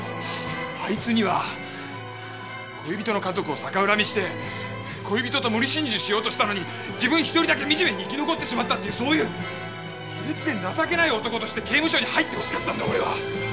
あいつには恋人の家族を逆恨みして恋人と無理心中しようとしたのに自分１人だけみじめに生き残ってしまったっていうそういう卑劣で情けない男として刑務所に入ってほしかったんだ俺は！